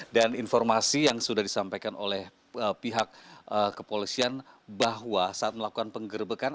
dan informasi yang sudah disampaikan oleh pihak kepolisian bahwa saat melakukan penggerbekan